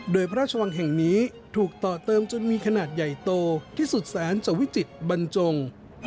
โดยพระราชวังแห่งนี้ถูกต่อเติมจนมีขนาดใหญ่โตที่สุดแสนจะวิจิตบรรจง